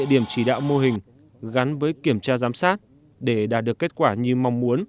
địa điểm chỉ đạo mô hình gắn với kiểm tra giám sát để đạt được kết quả như mong muốn